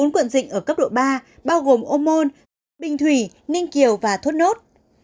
bốn quận dịch ở cấp độ ba bao gồm ô môn bình thủy ninh kiều và thuất nốt